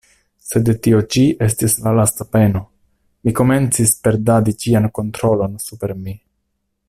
Sed tio ĉi estis la lasta peno; mi komencis perdadi ĉian kontrolon super mi.